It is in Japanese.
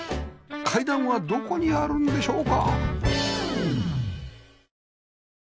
階段はどこにあるんでしょうか？